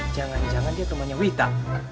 jangan jangan dia temannya wita